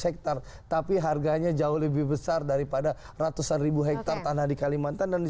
hektar tapi harganya jauh lebih besar daripada ratusan ribu hektare tanah di kalimantan dan di